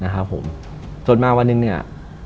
จนมาวันนึงเนี่ย